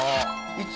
いつ？